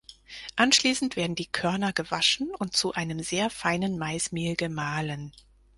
Anschließend werden die Körner gewaschen und zu einem sehr feinen Maismehl gemahlen.